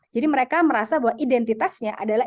jadi mereka merasa bahwa identitasnya adalah